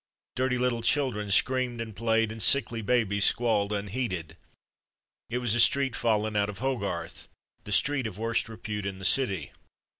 Dirty little children screamed and played, and sickly babies squalled unheeded. It was a street fallen out of Hogarth; the street of worst repute in the city.